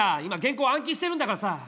今原稿暗記してるんだからさ